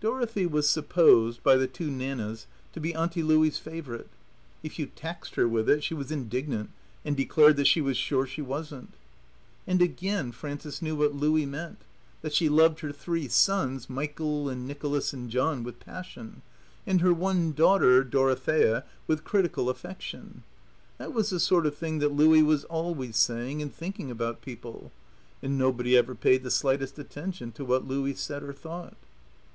Dorothy was supposed, by the two Nannas, to be Auntie Louie's favourite. If you taxed her with it she was indignant and declared that she was sure she wasn't. And again Frances knew what Louie meant that she loved her three sons, Michael and Nicholas and John, with passion, and her one daughter, Dorothea, with critical affection. That was the sort of thing that Louie was always saying and thinking about people, and nobody ever paid the slightest attention to what Louie said or thought.